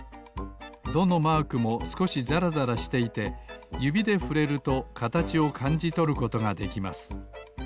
どのマークもすこしざらざらしていてゆびでふれるとかたちをかんじとることができます。